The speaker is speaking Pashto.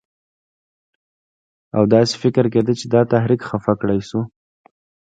او داسې فکر کېده چې دا تحریک خفه کړی شو.